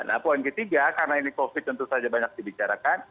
nah poin ketiga karena ini covid tentu saja banyak dibicarakan